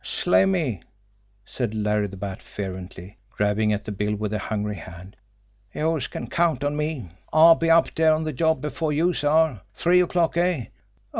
"Slimmy," said Larry the Bat fervently, grabbing at the bill with a hungry hand, "youse can count on me. I'll be up dere on de job before youse are. Three o'clock, eh?